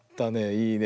いいね。